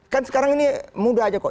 kan sekarang ini mudah aja kok